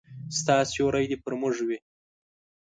ستا سیوری دي پر موږ وي